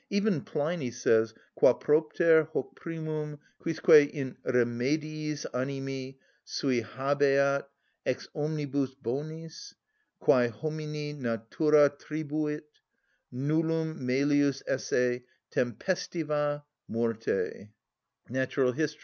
Even Pliny says: "_Quapropter hoc primum quisque in remediis animi sui habeat, ex omnibus bonis, quæ homini natura tribuit, nullum melius esse tempestiva morte_" (_Hist.